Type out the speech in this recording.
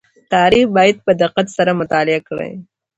تاريخ بايد په دقت سره مطالعه کړئ.